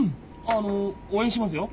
あの応援しますよ。